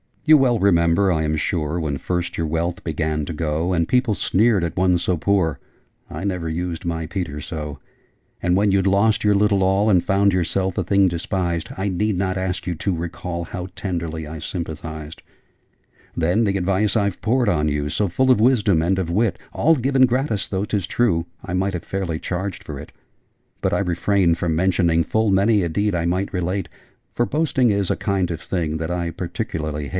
'You well remember, I am sure, When first your wealth began to go, And people sneered at one so poor, I never used my Peter so! And when you'd lost your little all, And found yourself a thing despised, I need not ask you to recall How tenderly I sympathised! 'Then the advice I've poured on you, So full of wisdom and of wit: All given gratis, though 'tis true I might have fairly charged for it! But I refrain from mentioning Full many a deed I might relate For boasting is a kind of thing That I particularly hate.